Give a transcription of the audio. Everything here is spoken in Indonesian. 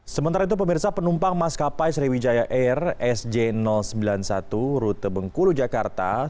sementara itu pemirsa penumpang maskapai sriwijaya air sj sembilan puluh satu rute bengkulu jakarta